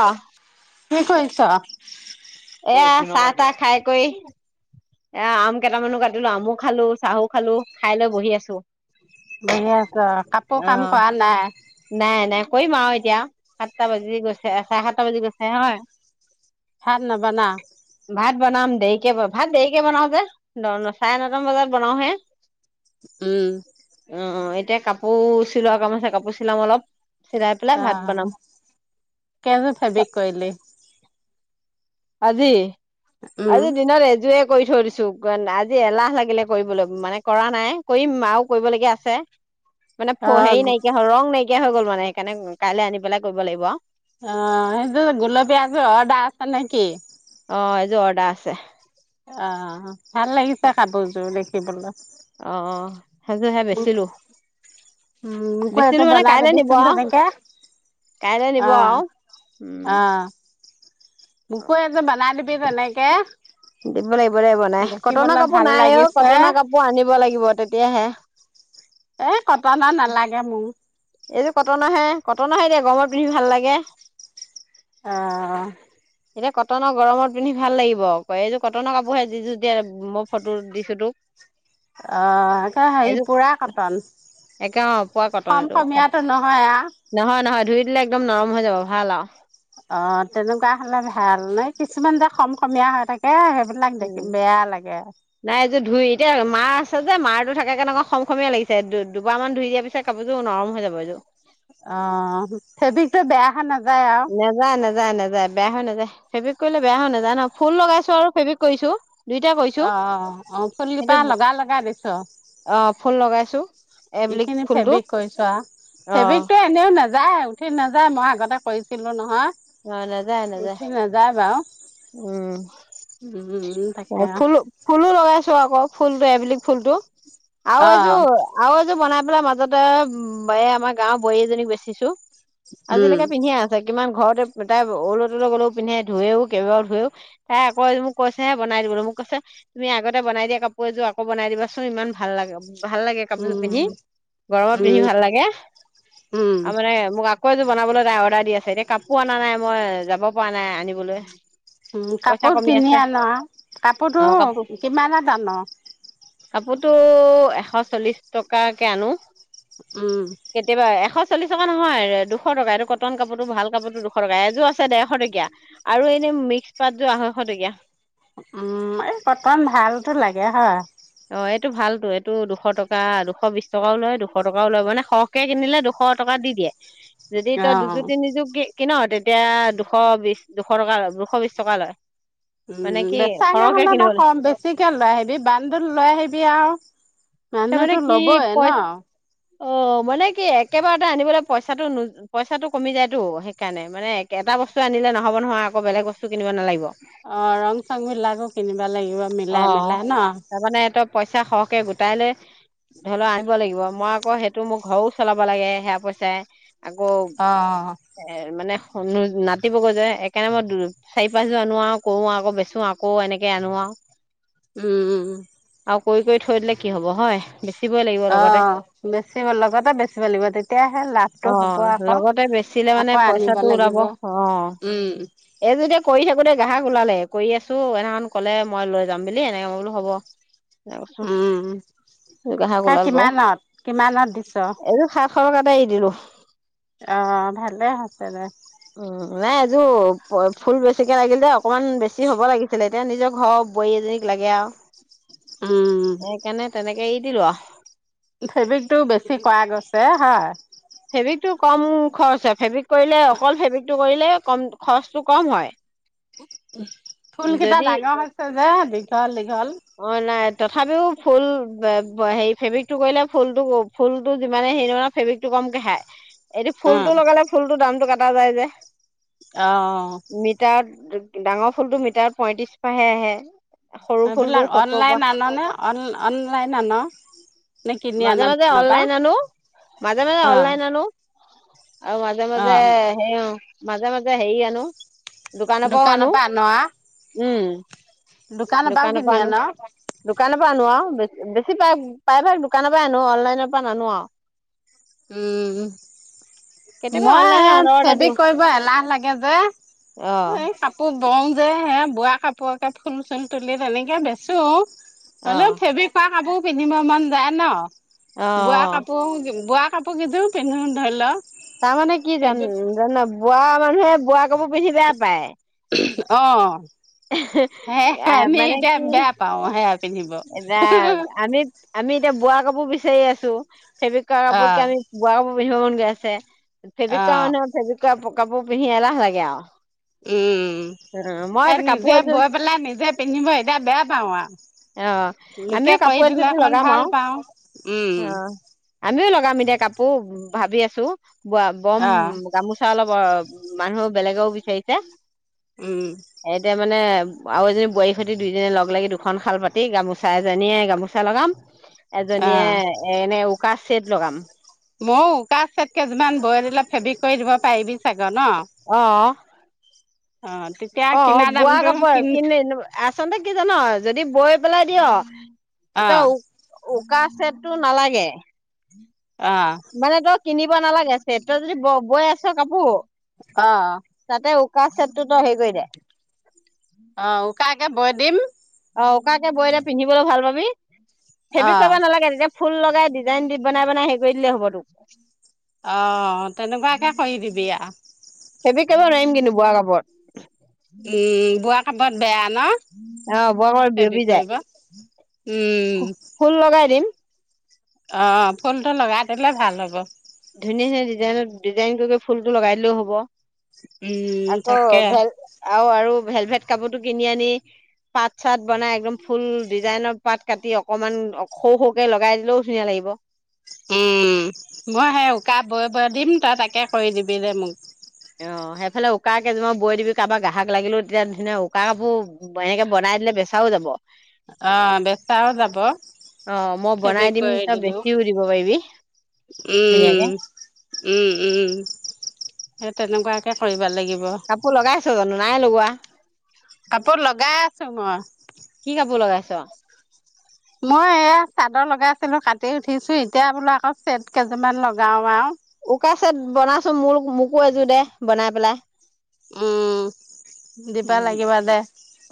আ। কি কৰিছ? এয়া চাহ তাহ খাই কই এয়া আম কেটামানো কাটিলো আমো খালোঁ চাহো খালোঁ খাই লৈ বহি আছো। বহি আছ কাপোৰ অ কাম কৰা নাই। নাই নাই কৰিমআও এতিয়াআও সাতটা বাজি গৈছে চাৰে সাতটা বাজি গৈছেহে হয়। ভাত নবনাও? ভাত বনাম দেইকে বন ভাত দেইকে বনাও যে। ন ন চাৰে নটামান বজাত বনাও হে। উম। উম এতিয়া কাপোৰ চিলোৱা কাম আছে কাপোৰ চিলাম অলপ। চিলাই পেলাই অ ভাত বনাম কেইযো ফেবিক কৰিলি? আজি উম, আজি দিনৰ এযোৰে কৰি থৈ দিছো আজি এলাহ লাগিলে কৰিবলৈ মানে কৰা নাই কৰিম আৰু কৰিবলগীয়া আছে। মানে ফ হেৰি অ', নাইকিয়া হ'ল ৰং নাইকিয়া হৈ গল মানে হেইকাৰণে কাইলে আনি পেলাই কৰিব লাগিব আও। অ হেইযো গুলপীয়া যো অৰ্ডা আছে নে কি? অ এযোৰ অৰ্ডা আছে। অ ভাল লাগিছে কাপোৰযোৰ দেখিবলৈ। অ হেযোৰ হেয়া বেচিলো। উম মোকো বেচিলো এযো মানে বনাই কাইলৈ দিবি নিব চোন আৰু তেনেকে। কাইলৈ নিব আ আৰু আ। উম মোকো এযো বনাই দিবি তেনেকে। দিব লাগিব দে বনাই কটনৰ দেখিবলৈ কাপোৰ ভাল নাই অ লাগিছে। কটনৰ কাপোৰ আনিব লাগিব তেতিয়াহে। এ কটন নালাগে মোৰ। এইযটো কটন আহে, কটন ন আহে এতিয়া গৰমত পিন্ধি ভাল লাগে। অ, [inaudible] এতিয়া কটনৰ গৰমত পিন্ধি ভাল লাগিব এইযোৰ কটনৰ কাপোৰহে যি যোৰ দিয় মই ফটো দিছোলো তোক। [inaudible] অ তে হে এইযোৰ পুৰা কটন একে অ পুৰা কটন কম এইটো কমীয়াত। টো নহয় আহ? নহয়, নহয় ধুই দিলে একদম নৰম হৈ যাব ভাল আৰু অ তেনেকুৱা হলে ভাল নাই কিছুমান যে খ খীয়া হৈ থাকে সেইব। তোমাক দেখি উম বেয়া লাগে। নাই এইয ধুই এতিয়া মাৰ আছে যে মাৰো, থকা কাৰণে খ- খমে লাগিছে দুবাৰ মান ধুই দিয়া পিছত। কাপোৰযোৰ নৰম হৈ যাব এইটো। অ ফেবিকো বেয়াহৈ নাযায় আৰু? নেযায়, নেযায়, নেযায় বেয়া হৈ নেযায়, ফেব্ৰিক কৰিলে বেয়া হৈ নাযায় ন ফুল লগাইছো আৰু ফেব্ৰিক কৰিছো। দুইটা কৰিছো অ', অ' ফুল কিন্তু কপা লগা, লগা দিছ। অ ফুল লগাইছো? এবলিক এইখিনি ফুলটো ফেব্ৰিক কৰিছো, আৰু অ ফেব্ৰিকতটো এনেও নাযায়। উঠি নাযায়, মই আগতে কৰিছিলো অ নাযায় নহয় নাযায় উঠি নাযায় বাৰু। উম, উম, উম, উম। ফুলো, ফুলো লগাইছো আকৌ ফুলটো, এইবিলিক ফুলটো আৰু অ এইযোৰ আৰু এযোৰ বনাই পেলাই মাজতে, এ আমাৰ গাঁৱৰ বোৱাৰী এজনীক বেচিছো। উম আজিলৈকে পিন্ধি আ কিমান ঘৰতে, তাই ওল তল গ'লেও পিন্ধে ধুুৱেও কেইবাৰও ধুৱেও, তাই আকৌ আজি মোক কৈ চে বনাই দিবলে, মোক কৈছে তুমি আগতে বনাই দিয়া কাপোৰ এযোৰ আক বনাই দিবাচোন ইমান ভাল লাগে ভাল লাগে। কাপোৰযোৰ উম পিন্ধি, গৰমত পিন্ধি উম ভাল লাগে, উম আৰু মানে মোক আক কৌ এযোৰ বনাবলৈ তাই অৰ্ডাৰ দি আছে, এতিয়া কাপোৰ আনা নাই মই যাব পৰা নাই আনিবলৈ। পইচা কাপোৰ কমি কিনি আছে আনা, অ কাপোৰটো কিমানত আন? কাপোৰতটো, এশ চল্লিশ টকাকে আনো। উম। কেতিয়াবা এশ চল্লিশ টকা নহয়, দুশ টকা এইটো কটন কাপোৰতো ভাল কাপোৰতো দুশ টকা এযোৰ আছে ডেৰশ টকীয়া। আৰু এনে মিক্স পাত যোৰ, আঢ়ৈশ টকীয়া। উম এই কটন ভালতো লাগে হয়। অ এইটো ভালটো এইটো দুশ টকা, দুশ বিশ টকাও লয় দুশ টকাও লয় মানে শ কে কিনিলে দুশ টকা দি দিয়ে যদি তই দুযো অ', তিনিযু কি কিন তেতিয়া দুশ বিশ, দুশ টকা দুশ বিশ টকা লয়। মানে উম কি বেচা সৰহকে কিনিব হ'লেতো লাগে কম বেছিকে লৈ আহিবি বানদল আহিবি আৰু। তাৰমানে মানুহেটো কি লব এ ন। পই অ মানে কি একেবাৰতে আনিবলৈ পইচাটো নো পইচাটো কমি যায়টো সেইকাৰণে মানে, এটা বস্তু আনিলে নহব নহয় আকৌ বেলেগ বস্তু কিনিব নালাগিব? অ ৰং চং বিলাকো কিনিবা লাগিব। অ মিলাই মিলাই ন। তাৰমানে, এ ত পইচা সৰহকে গোটাই লৈ ধৰি লও আনিব লাগিব মই আকৌ সেইটো মোৰ ঘৰো চলাব লাগে সেয়া পইচাই। আকৌ অ'। এ মানে [unintelligible] নাতিব গৈ যে সেইকাৰণে মই চাৰি পাঁচযন আনো আৰু কৰো আকৌ বেচো আকৌ এনেকে আনো আৰু। উম, উম। আৰু কৰি, কৰি থৈ দিলে কি হব হয়। বেচিবই লাগিব। অ লগতে বেছি লগতে বেছিব লাগিব তেতিয়াহে লাভটো হ'ব আকৌ। আছিলে মানে আকৌ আনিব পইচাটো ওলাব লাগিব অ। উম, এই যেতিয়া কৰি থাকোতে গ্ৰাহক ওলালে, কৰি আছো এনাখন কলে মই যাম বুলি এনেকে বোলো হ'ব। উম, গ্ৰাহক সেই ওলাল বাৰু। কিমানত কিমানত দিছ? এইযোৰ খা শ টকাৰে এৰি দিলো। অ ভালে হৈছে দে। উম নাই এযোৰ ফুল বেছিকে লাগিল যে অকমান বেছি হ'ব লাগিছিলে এতিয়া নিজৰ ঘৰৰ বোৱাৰী এজনীক লাগে আৰু। উম। সেইকাৰণে তেনেকে এৰি দিলো আৰু। ফেব্ৰিকটো বেছি কৰা গৈছে, হয়? ফেব্ৰিকটো কম খৰচ হয় ফেব্ৰিক কৰিলে অকল ফেব্ৰিকটো কৰিলে কম খৰচটো কম হয়। ফুল কেইটা যদি ডাঙৰ হৈছে যে, দীঘল দীঘল। অ নাই তথাপিও ফুল [unintelligible] হেৰি ফেব্ৰিকটো কৰিলে ফুলটো ফুলটো যিমানে হেৰি নহয় ফেব্ৰিকটো কমকে খায়। এইটো উম ফুলটো লগালে ফুলটোৰ দামতটো কাটা যায় যে অ অ অহ। মিটাৰত, ডাঙৰ ফুলতটো মিটাৰত পইয়ত্ৰিশহে আহে। সৰু ফুলটো এইবিলাক সত্তৰ অনলাইন পৰা আননে? অন অনলাইন আন? নে কিনি আন মাজে মাজে দোকানৰ পা? অনলাইন আনো মাজে মাজে অ। অনলাইন আনো আৰু মাজে -মাজে সেই অ, মাজে - মাজে হেৰি আনো। দোকানৰ পৰাও আনো, পৰা আন আ উম। পৰাও দোকানৰ কিনি পৰা আনো, আন দোকানৰ পৰা আনো অ, বেছি বেছি ভাগ, প্ৰায় ভাগ দোকানৰ পৰাই আনো, অনলাইনৰ পৰা নানো আৰু উম। কেতিয়াবা মই অনলাইনত এই অৰ্ডাৰ এটা দিওঁ ফেব্ৰিক কৰিব এলাহ লাগে যে, অ এই কাপ কাপোৰ বওঁ যে, হেই বোৱা কাপোৰকে ফুল চুল তুলি তেনেকে বেচো অ হলে ফেব্ৰিক কৰা কাপোৰ পিন্ধিব মন যায় ন, অ বোৱা কাপোৰ বোৱা কাপোৰ কেইযোৰ পিন্ধো ধৰি ল তাৰমানে কি জান- জান? বোৱা মানুহে বোৱা কাপোৰ পিন্ধি বেয়া পায়। অ, সে আমি মানে এতিয়া কি বেয়া পাও সে পিন্ধিব এ আমি আমি এতিয়া বোৱা কাপোৰ বিচাৰি আছো, ফেব্ৰিক কৰা কাপোৰতকে অঁ আমি বোৱা কাপোৰ পিন্ধিব মন গৈ আছে। ফেব্ৰিক কৰা অ', মানুহৰ ফেব্ৰিকৰ কাপোৰ পিন্ধি এলাহ লাগে আৰু। উম। অ মই সেই কাপোৰ নিজে এযোৰ বয় পেলাই নিজে পিন্ধিব এতিয়া বেয়া পাওঁ আৰু অ, লোকে আমিও কৰি কাপোৰ দিলে এযোৰ অকমান লগাম ভাল আৰু, পাওঁ, উম, অ। আমিও লগাম এতিয়া কাপোৰ ভাবি আছো, বম অ', গামোচা গামোচা অলপ অ মানুহো বেলেগেও বিচাৰিছে উম। সেহেতে মানে আৰু এজনী বোৱাৰী সতি দুইজনী লগ লাগি দুখন শাল পাতি এই গামোচা এজনীয়ে গামোচা লগাম, এজনীয়ে অ', এ এনে উকা চেট লগাম মই উকা ছেট কেইযোৰমান বই দিলে ফেব্ৰিক কৰি দিব পাৰিবি চাগে ন? অহ। অ অ কিনা বোৱা দামটো কাপোৰ কিন আৰু [unintelligible] আচলতে কি জান, যদি বয় পেলাই দিয়, অ', তই উকা ছেটটো নালাগে। অ। মানে তই কিনিব নালাগে ছেত, তই যদি ব-বয় আছ কাপোৰ অ'। তাতে উকা চেতটো তই হেৰি কৰি দে অ', উকাকে বয় দিম অ', উকাকে বৈলে পিন্ধিবলৈ ভাল পাবি, ফেব্ৰিক অ', কৰিব নালাগে তেতিয়া ফুল লগাই ডিজাইন দি বনাই বনাই হেৰি কৰি দিলেই হ'ব তোক। অ', তেনেকুৱাকে কৰি দিবি আৰু ফেব্ৰিক কৰিব নোৱাৰিম কিন্তু বোৱা কাপোৰত। এই, বোৱা কাপোৰত বেয়া ন'? অ', [unintelligible] বিয়পি ফেব্ৰিক যায়, কৰিব? উম, ফু-ফুল লগাই দিম। অ', ফুলটো লগাই দিলে ভাল হ'ব। ধুনীয়া -ধুনীয়া ডিজাইন -ডিজাইন কৰি ফুলটো লগাই দিলেও হ'ব। উম, আকৌ তাকে। ভেল আৰু আৰু ভেলভেট কাপোৰটো কিনি আনি পাত চাত বনাই একদম ফুল ডিজাইনৰ পাত কাটি অকনমান সৰু সৰুকে লগাই দিলেও ধুনীয়া লাগিব। উম, মই সেই উকা বৈ বৈ দিম তই তাকে কৰি দিবি দে মোক। অ', সেইফালে উকা কেইজোমা বৈ দিবি কাৰোবাক গ্ৰাহক লাগিলো তেতিয়া ধুনীয়া উকা কাপো এনেকে বনাই দিলে বেচাও যাব। অ' বেচাও যাব। অ' মই বনাই ফেব্ৰিক দিম, কৰি তই দিলেও। বেছিও দিব পাৰিবি। ধুনীয়াকে। উম, উম, উম, সেই তেনেকুৱাকে কৰিব লাগিব। কাপোৰ লগাইছ' জানো, নাই লগোৱা। কাপোৰ লগাই আছোঁ মই। কি কাপোৰ লগাইছ'? মই এয়া চাদৰ লগাইছিলোঁ, কাটি উঠিছোঁ, এতিয়া বোলো আকৌ চেট কেইযোৰমান লগাও আৰু। উকা চেট বনাচোন মোৰ মোকো এযোৰ দে বনাই পেলাই। উম, দিবা লাগিবা দে,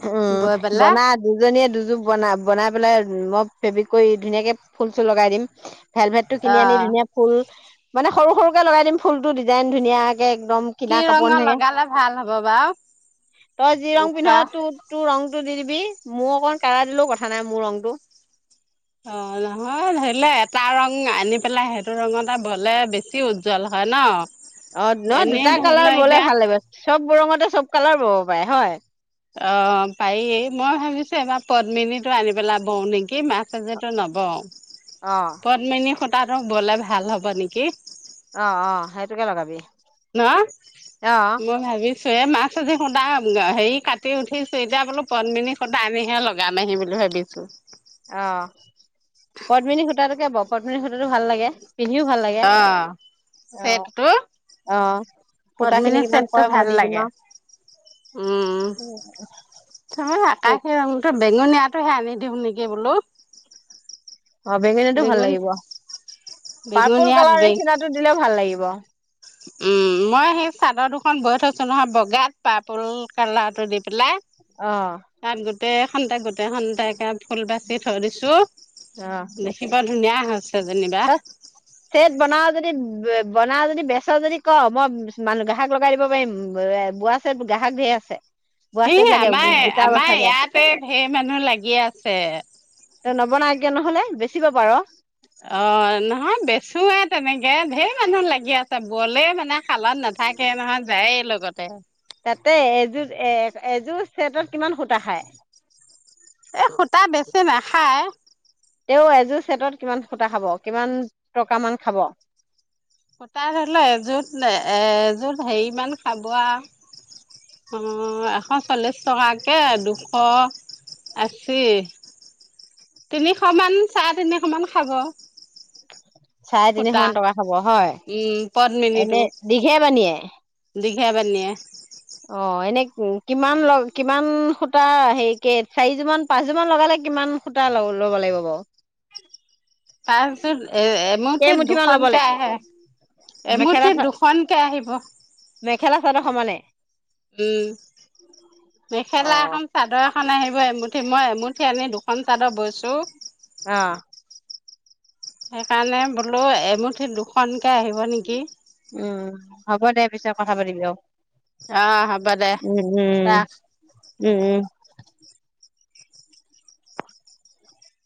উম বৈ পেলাই। বনা দুজনীয়ে দুযোৰ বনা, বনাই পেলাই মই ফেবিকৈ ধুনীয়াকে ফুল চুল লগাই দিম। হেলমেটটো কিনি অ। আনি ধুনীয়া ফুল মানে সৰু সৰুকে লগাই দিম ফুলটো ডিজাইন ধুনীয়াকে একদম। কি কিনা কাপোৰ ৰঙৰ নাথাকে লগালে ভাল হ'ব বাৰু? তই যি ৰং পিন্ধ উকা? তো-তোৰ ৰংটো দি দিবি, মোৰ অকন কাঢ়া দিলেও কথা নাই মোৰ ৰংটো। অ' নহয় ধৰিলে এটা ৰং আনি পেলাই সেইটো ৰঙতে বলে বেছি উজ্জ্বল হয় ন'? অ', ন' এনেই দুটা ধৰি কালাৰ লোৱা বলে এতিয়া ভাল লাগিব, চব বৰঙতে চব কালাৰ ব'ব পাৰে হয়। অ', পাৰি মই ভাবিছোঁ এইবাৰ পদ্মিনীটো আনি পেলা বওঁ নেকি মাছ আযেটো নবওঁ। [inaudible] অ'। কদমিনী সূতাটো ব'লে ভাল হ'ব নিকি। অ', অ' সেইটোকে লগাবি। ন' অ অ মই ভাবি চুৱে মাছ আজি খুদা আ, হেৰি কাটি উঠিছোঁ এতিয়া বোলো পদ্মিনী সুতা আনিহে লগ গাম আহি বুলি ভাবিছোঁ। অ', পদ্মিনী সূতাটোকে ব' পদ্মিনী সূতাটো ভাল লাগে। পিন্ধিও ভাল লাগে। অ'। অ', চেটটো অ', পদ্মিনী সূতাখিনি কিমান চেটটো পৰে ভাল মই দি দিম লাগে আৰু। উম। চাওঁ আকাশে ৰংটো বেঙুনীয়াটোহে আনি দিওঁ নেকি বোলো। অ' বেঙুনীয়াটো ভাল বেঙুন লাগিব, পাৰ্পুল বেঙুনীয়াত কালাৰ বেঙ নিচিনাটো দিলেও ভাল লাগিব। উম, মই সেই চাদৰ দুখন বৈ থৈছোঁ নহয় বগাত পাৰপল কালাৰটো দি পেলাই। অ'। তাত গোটেইখনতে গোটেইখনতে ফুল বাচি থৈ দিছোঁ। অ দেখ কিবা ধুনীয়া হৈছে যেনিবা। তাত চেট বনাও যদি বনাও যদি বেচ যদি ক মই মানুহ গ্ৰাহক লগাই দিব পাৰিম। বে এ বোৱা চেট গ্ৰাহক ধেৰ আছে। বোৱা হেই চেট লাগে আমাৰ গোটা আমাৰ বচাকে ইয়াতে ধেৰ মানুহ লাগি আছে। তই নবনাও কিয় নহ'লে, বেচিব পাৰ। অ' নহয় বেচোৱে তেনেকে, ধেৰ মানুহ লাগি আছ ত' বলে মানে শালত নাথাকেই নহয় যায়েই লগতে। তাতে এযোৰ এযোৰ ছেটত কিমান সূতা খায় এই সূতা বেছি নাখায় তেও এযোৰ ছেটত কিমান সূতা খাব কিমান টকামান খাব সূতা ধৰিল এযোত এ এযোত হেৰি মান খাব আ অ এশ চল্লিশ টকাকে দুশ আশী তিনিশ মান চাৰে তিনিশ মান খাব চাৰে তিনিশ সূতা মান টকা খাব হয় উম এনে দীঘে বানীয়ে দীঘে বানীয়ে অ এনে কিমান ল কিমান সূতা হেৰি কে চাৰিযোৰমান পাঁচযোৰমান লগালে কিমান সূতা ল ল'ব লাগিব বাৰু পাঁচযোত এ এমুঠিত কেইমুঠি মান ল'ব দুখনকে লাগিব আহে মেখেলা এমুঠিত চ দুখনকে আহিব মেখেলা চাদৰ সমানে উম অ মেখেলা এখন চাদৰ এখন আহিব এমুঠি মই এমুঠি আনি দুখন চাদৰ বৈছোঁ অ সেইকাৰণে বোলো এমুঠিত দুখনকে আহিব নেকি উম হ'ব দে পিছত কথা পাতিবি আৰু অ হ'ব দে উম ৰা উ উম উ